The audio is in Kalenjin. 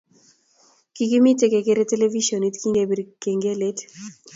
Kigimite kegeere televishionit kingebir kengelet